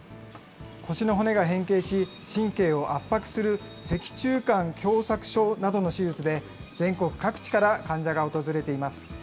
腰の骨が変形し、神経を圧迫する脊柱管狭窄症などの手術で、全国各地から患者が訪れています。